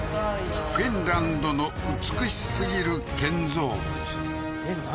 フィンランドの美しすぎる建造物えっ何？